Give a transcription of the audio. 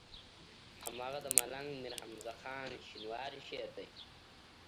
هماغه د ملنګ مير حمزه خان شينواري شعر دی.